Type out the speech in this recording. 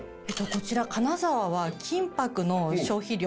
こちら金沢は金箔の消費量